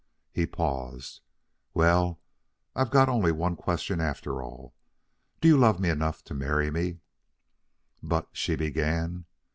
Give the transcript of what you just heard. He paused. "Well, I've got only one question after all: Do you love me enough to marry me?" "But " she began.